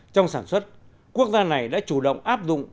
trong sản xuất quốc gia này đã chủ động áp dụng